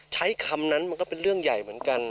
ใช้คำนั้นมันก็เป็นเรื่องใหญ่เหมือนกัน